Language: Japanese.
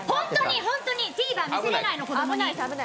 本当にＴＶｅｒ見せれないの！